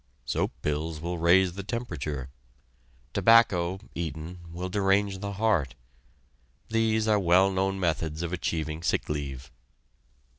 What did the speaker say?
Soap pills will raise the temperature. Tobacco, eaten, will derange the heart. These are well known methods of achieving sick leave.